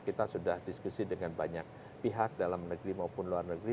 kita sudah diskusi dengan banyak pihak dalam negeri maupun luar negeri